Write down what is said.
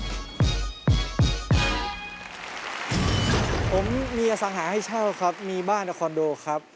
ผมมีอสังหาให้เช่าครับมีบ้านในคอนโดครับ